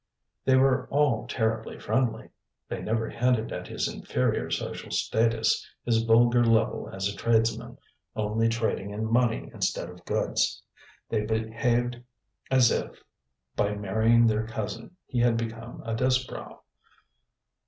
They were all terribly friendly. They never hinted at his inferior social status, his vulgar level as a tradesman, only trading in money instead of goods. They behaved as if, by marrying their cousin, he had become a Disbrowe.